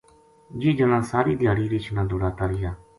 یہ جنا ساری دھیاڑی رِچھ نا دوڑاتا ریہا